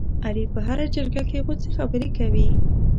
علي په هره جرګه کې غوڅې خبرې کوي.